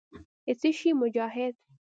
د څه شي مجاهد.